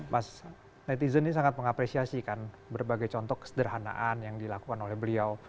mas netizen ini sangat mengapresiasi kan berbagai contoh kesederhanaan yang dilakukan oleh beliau